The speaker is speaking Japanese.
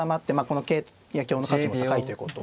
この桂や香の価値も高いということ。